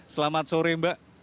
selamat sore mbak